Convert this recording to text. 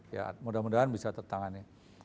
ya mudah mudahan bisa tertangani